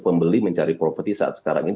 pembeli mencari properti saat sekarang ini